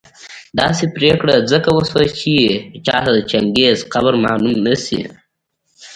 داسي پرېکړه ځکه وسوه چي چاته د چنګېز قبر معلوم نه شي